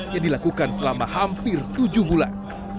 yang dilakukan selama hampir tujuh bulan